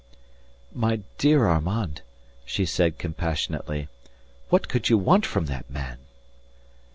"My dear Armand," she said compassionately, "what could you want from that man?"